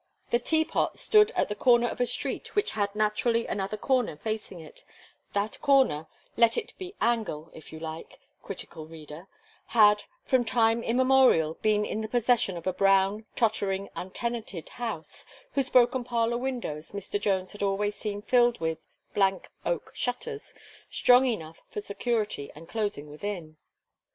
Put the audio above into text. The Teapot stood at the corner of a street which had naturally another corner facing it; that corner let it be angle, if you like, critical reader had, from time immemorial, been in the possession of a brown, tottering, untenanted house, whose broken parlour windows Mr. Jones had always seen filled with, blank oak shutters, strong enough for security and closing within.